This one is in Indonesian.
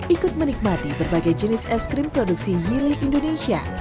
ikut menikmati berbagai jenis es krim produksi yili indonesia